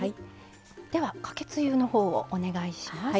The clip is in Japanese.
ではかけつゆのほうをお願いします。